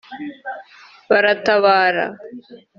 baratabara